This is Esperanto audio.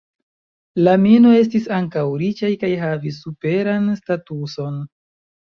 La "Mino" estis ankaŭ riĉaj kaj havis superan statuson.